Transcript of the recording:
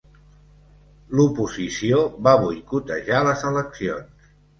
L'oposició va boicotejar les eleccions.